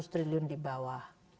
seratus triliun di bawah